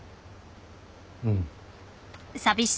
うん。